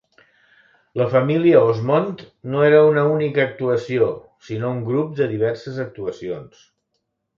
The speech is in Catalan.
La família Osmond no era una única actuació, sinó un grup de diverses actuacions.